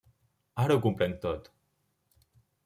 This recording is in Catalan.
Ara ho comprenc tot!